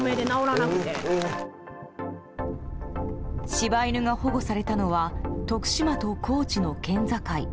柴犬が保護されたのは徳島と高知の県境。